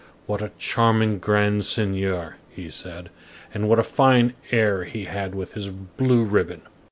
"What a charming grand seigneur," he said, "and what a fine air he had with his blue ribbon!"